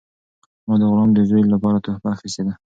ما د غلام د زوی لپاره تحفه اخیستې ده.